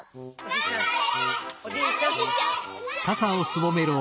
がんばれ！